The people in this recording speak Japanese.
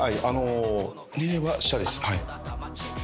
あの。